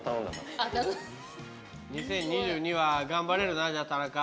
２０２２は頑張れるなじゃあ田中。